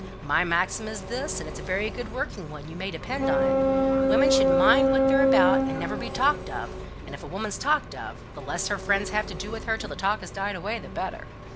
My maxim is this, and it's a very good working one, you may depend on't women should mind what they're about, and never be talked of; and if a woman's talked of, the less her friends have to do with her till the talk has died away, the better.